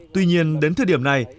tuy nhiên đến thời điểm này